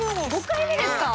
５回目ですか！